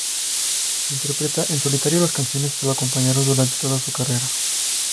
Interpreta en solitario las canciones que lo acompañaron durante toda su carrera.